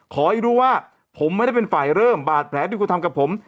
ขอให้รู้ว่าผมไม่ได้เป็นฝ่ายเริ่มบาดแผลที่คุณทำกับผม